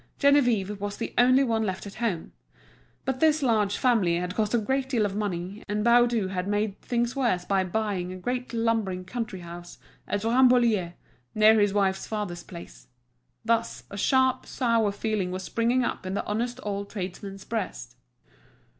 Geneviève was the only one left at home. But this large family had cost a great deal of money, and Baudu had made things worse by buying a great lumbering country house, at Rambouillet, near his wife's father's place. Thus, a sharp, sour feeling was springing up in the honest old tradesman's breast.